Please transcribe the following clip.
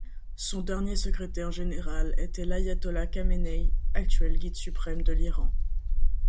Son dernier secrétaire général était l'Ayatollah Khamenei, actuel Guide suprême de l'Iran.